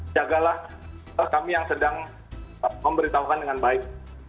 jagalah kami yang sedang memberitahukan dengan baik